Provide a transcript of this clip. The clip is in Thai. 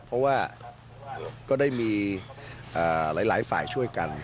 เพราะว่าก็ได้มีหลายฝ่ายช่วยกัน